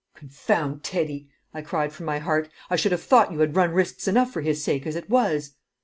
"Confound Teddy!" I cried from my heart. "I should have thought you had run risks enough for his sake as it was!"